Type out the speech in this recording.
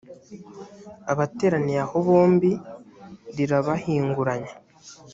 abateraniye aho bombi rirabahinguranya.